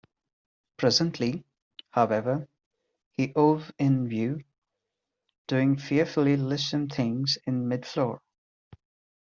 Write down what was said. Presently, however, he hove in view, doing fearfully lissom things in mid-floor.